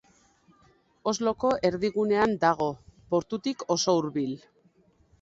Osloko erdigunean dago, portutik oso hurbil.